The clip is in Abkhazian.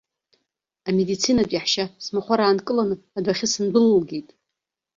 Амедицинатә еиҳәшьа смахәар аанкыланы, адәахьы сындәылылгеит.